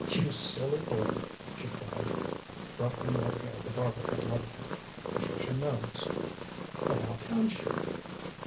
"You silly boy!" she cried, ruffling what hair the barber had left him. "Patricia knows." "But how can she?"